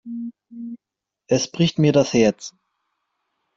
Es bricht mir das Herz.